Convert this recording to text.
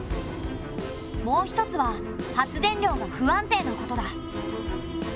もう一つは発電量が不安定なことだ。